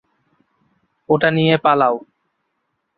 ওটা নিয়ে পালাও।